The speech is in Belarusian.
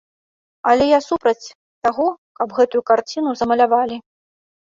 Але я супраць таго, каб гэтую карціну замалявалі.